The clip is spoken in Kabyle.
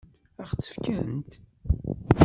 Ad ɣ-tt-fkent?